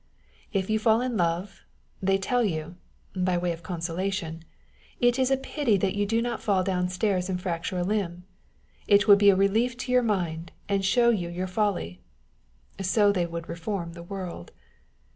If you fall in love, they tell you (by way of consolation) it is a pity that you do not fall downstairs and fracture a limb â€" it would be a relief to your mind, and show you your folly. So they would reform the world.